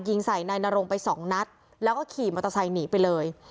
ยิงใส่นายนรงไปสองนัดแล้วก็ขี่มอเตอร์ไซค์หนีไปเลย